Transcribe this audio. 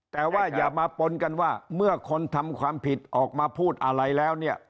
แต่ว่าอย่ามาปนกันว่าเมื่อคนทำความผิดออกมาพูดอะไรแล้วเนี่ย